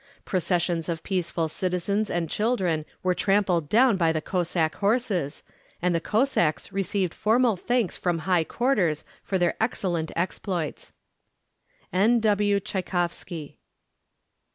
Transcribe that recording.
Processions of peaceful citizens and children were trampled down by the Cossack horses, and the Cossacks received formal thanks from high quarters for their excellent exploits.... N. W. TCHAYKOVSKY.